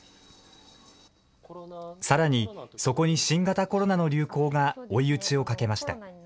さらにそこに新型コロナの流行が追い打ちをかけました。